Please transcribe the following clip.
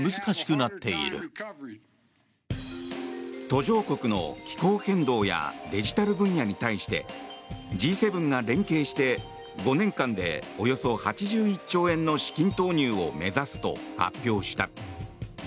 途上国の気候変動やデジタル分野に対してＧ７が連携して５年間でおよそ８１兆円の資金投入を目指すと発表した。